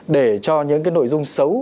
để cho những cái nội dung xấu